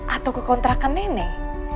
atau ke kontrakan nenek